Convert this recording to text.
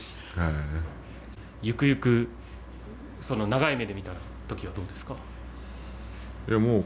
ゆくゆく長い目で見た時はどうですか？